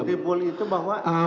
ketubul itu bahwa